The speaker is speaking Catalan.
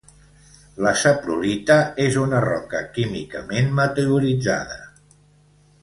La saprolita és una roca químicament meteoritzada.